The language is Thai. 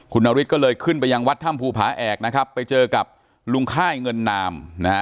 คุณนฤทธิก็เลยขึ้นไปยังวัดถ้ำภูผาแอกนะครับไปเจอกับลุงค่ายเงินนามนะฮะ